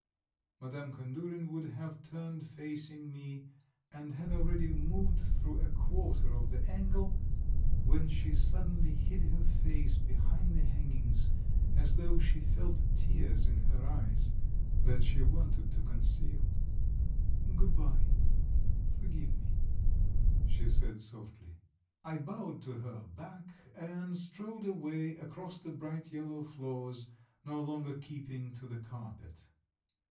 .." Madame Kandurin would have turned facing me, and had already moved through a quarter of the angle, when she suddenly hid her face behind the hangings, as though she felt tears in her eyes that she wanted to conceal. "Good bye. ... Forgive me ..." she said softly. I bowed to her back, and strode away across the bright yellow floors, no longer keeping to the carpet.